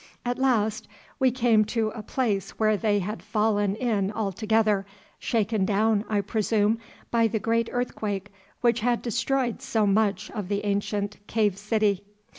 At last we came to a place where they had fallen in altogether, shaken down, I presume, by the great earthquake which had destroyed so much of the ancient cave city.